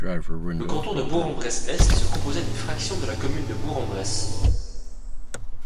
Le canton de Bourg-en-Bresse-Est se composait d’une fraction de la commune de Bourg-en-Bresse.